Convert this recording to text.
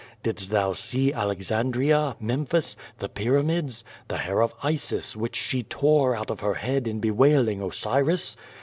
Didst thou see Alex andria, ^[emphis, the Pyramids, the hair of Isis which she tore out of her head in bewailing Osiris?